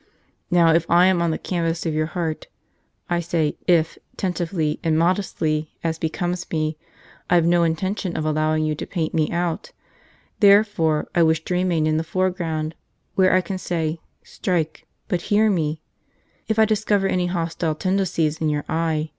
Now if I am on the canvas of your heart, I say 'if' tentatively and modestly, as becomes me, I've no intention of allowing you to paint me out; therefore I wish to remain in the foreground, where I can say 'Strike, but hear me,' if I discover any hostile tendencies in your eye.